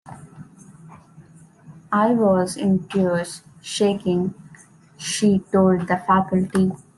"I was in tears, shaking," she told the faculty.